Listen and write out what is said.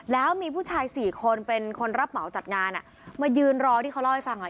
แล้วมีผู้ชายสี่คนเป็นคนรับเหมาจัดงานอ่ะมายืนรอที่เขาเล่าให้ฟังอ่ะ